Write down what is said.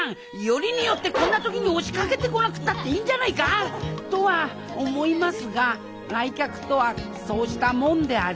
よりによってこんな時に押しかけてこなくたっていいんじゃないか！？とは思いますが来客とはそうしたもんであります